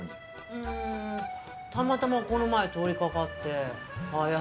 うーんたまたまここの前通りかかってああ安